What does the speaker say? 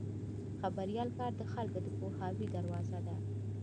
د خبریال کار د خلکو د پوهاوي دروازه ده.